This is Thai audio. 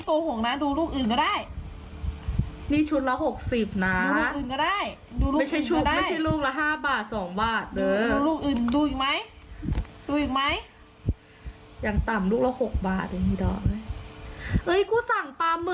พวันขึ้นเพิ่งเห็น